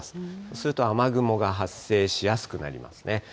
すると雨雲が発生しやすくなりますね。